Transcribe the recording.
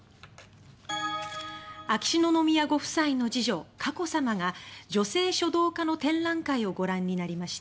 秋篠宮ご夫妻の次女・佳子さまが女性書道家の展覧会をご覧になりました。